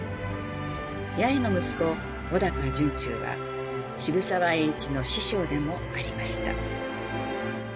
やへの息子尾高惇忠は渋沢栄一の師匠でもありました。